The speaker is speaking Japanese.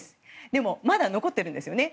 でもまだ残っているんですよね。